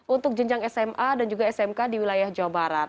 untuk jenjang sma dan juga smk di wilayah jawa barat